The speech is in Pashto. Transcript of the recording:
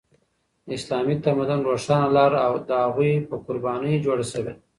د اسلامي تمدن روښانه لاره د هغوی په قربانیو جوړه شوې ده.